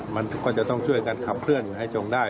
มันก็จะต้องช่วยกันขับเคลื่อนให้จงได้